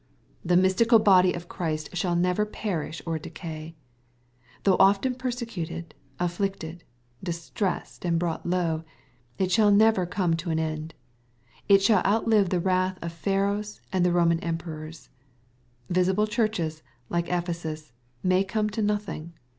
The mystical body of Christ shall never perish or decay . Though often persecuted, afflicted, distressed, and brought low, it shall never come to an end. It shall outlive the wrath of Pharaohs and Soman Emperors. Visible churches, like Ephesus, may come to nothing.